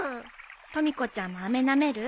とみ子ちゃんもあめなめる？